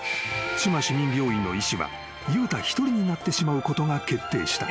志摩市民病院の医師は悠太一人になってしまうことが決定した］